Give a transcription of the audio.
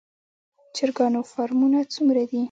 د چرګانو فارمونه څومره دي؟